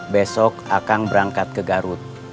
besok akan berangkat ke garut